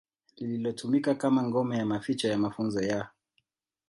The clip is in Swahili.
lililotumika kama ngome ya maficho ya mafunzo ya